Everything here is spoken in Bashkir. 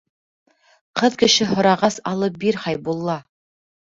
Ҡыҙ кеше һорағас, алып бир, Хәйбулла.